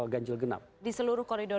ganjil genap di seluruh koridor